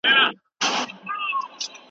ماشومانو ته په زړه پورې کتابونه واخلئ.